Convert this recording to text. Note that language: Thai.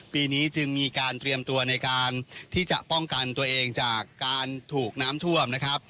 ปีนี้จึงมีการเตรียมตัวในการที่จะป้องกันตัวเองจากการถูกน้ำท่วมนะครับ